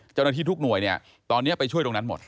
เจ้าหน้าที่ทุกหน่วยเนี่ยตอนนี้ไปช่วยตรงนั้นหมด